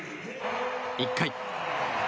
１回。